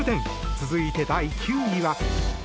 続いて、第９位は。